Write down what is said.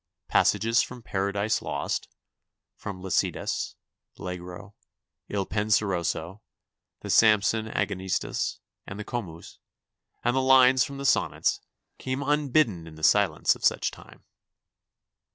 Passages from Paradise Lost, from Lycidas, L' Allegro, II Penseroso, the Samson Agonistes, and the Comus, and lines from the sonnets, came unbidden in the silences of such a time.